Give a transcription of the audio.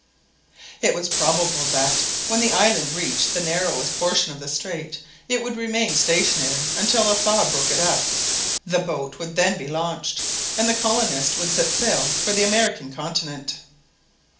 It was probable that, when the island reached the narrowest portion of the strait, it would remain stationary until the thaw broke it up, the boat would then be launched, and the colonists would set sail for the American continent.